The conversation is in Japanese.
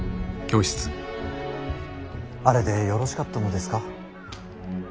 あれでよろしかったのですか。